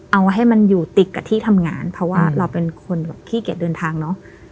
เอาให้มันอยู่ติดกับที่ทำงานเพราะว่าเราเป็นคนแบบขี้เกียจเดินทางเนอะ